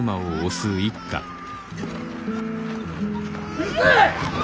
・うるせえ！